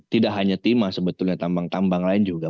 tidak hanya timah sebetulnya tambang tambang lain juga